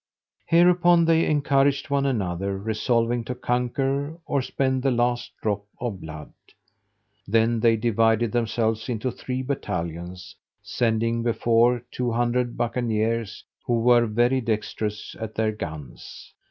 Hereupon they encouraged one another, resolving to conquer, or spend the last drop of blood. Then they divided themselves into three battalions, sending before two hundred bucaniers, who were very dextrous at their guns.